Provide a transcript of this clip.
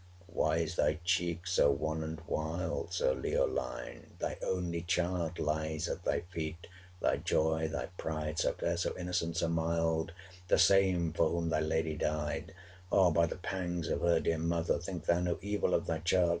620 Why is thy cheek so wan and wild, Sir Leoline? Thy only child Lies at thy feet, thy joy, thy pride, So fair, so innocent, so mild; The same, for whom thy lady died! 625 O by the pangs of her dear mother Think thou no evil of thy child!